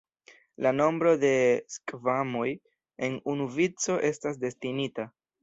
La nombro de skvamoj en unu vico estas destinita.